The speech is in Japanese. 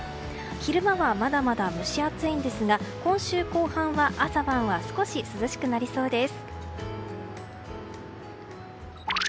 昼間はまだまだ蒸し暑いんですが今週後半は朝晩は少し涼しくなりそうです。